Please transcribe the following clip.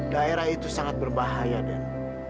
daerah itu sangat berbahaya dan